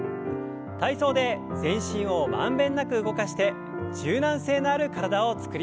体操で全身を満遍なく動かして柔軟性のある体を作りましょう。